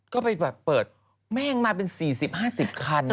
ก็ไปแบบเปิดแม่งมาเป็นสี่สิบห้าสิบคันอะ